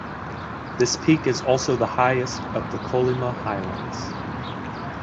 This peak is also the highest of the Kolyma Highlands.